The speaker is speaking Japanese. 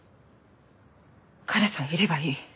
彼さえいればいい。